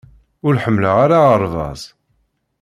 Ur ḥemmleɣ ara aɣerbaz.